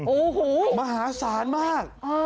โอ้โหมหาศาลมาก